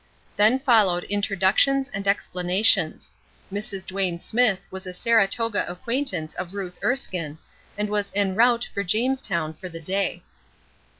Then followed introductions and explanations, Mrs. Duane Smithe was a Saratoga acquaintance of Ruth Erskine, and was en route for Jamestown for the day.